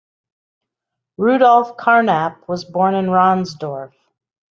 Rudolf Carnap was born in Ronsdorf.